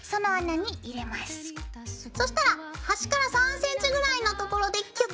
そしたら端から３ｃｍぐらいのところでキュッとしたい。